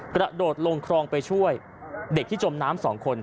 กระโดดลงคลองไปช่วยเด็กที่จมน้ำสองคน